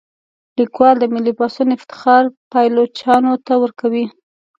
لیکوال د ملي پاڅون افتخار پایلوچانو ته ورکوي.